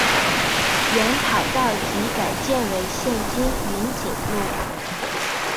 原跑道即改建为现今云锦路。